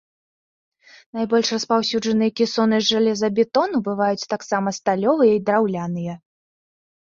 Найбольш распаўсюджаныя кесоны з жалезабетону, бываюць таксама сталёвыя і драўляныя.